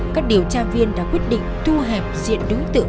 các điều tra viên đã quyết định thu hẹp diện đối tượng